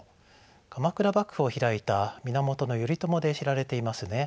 鎌倉幕府を開いた源頼朝で知られていますね。